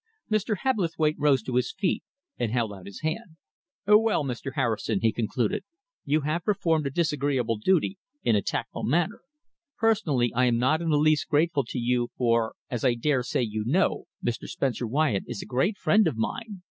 Mr. Hebblethwaite rose to his feet and held out his hand. "Well, Mr. Harrison," he concluded, "you have performed a disagreeable duty in a tactful manner. Personally, I am not in the least grateful to you, for, as I dare say you know, Mr. Spencer Wyatt is a great friend of mine.